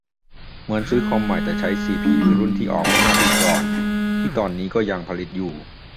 เหมือนซื้อคอมใหม่ แต่ใช้ซีพียูรุ่นที่ออกเมื่อห้าปีก่อน ที่ตอนนี้ก็ยังผลิตอยู่